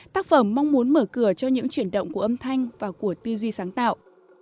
tác phẩm mong muốn mở cửa cho những chuyển động của âm thanh và của tư duy sáng tạo